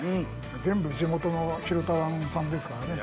全部地元の広田湾産ですからね。